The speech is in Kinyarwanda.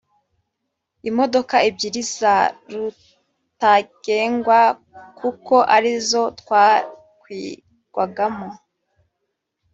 imodokaebyiri za rutagengwa kuko arizotwakwirwagamo.